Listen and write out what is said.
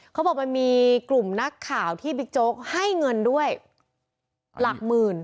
เขาบอกมันมีกลุ่มนักข่าวที่บิ๊กโจ๊กให้เงินด้วยหลักหมื่น